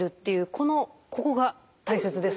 このここが大切ですね。